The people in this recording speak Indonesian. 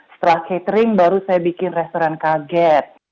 setelah catering baru saya bikin restoran kaget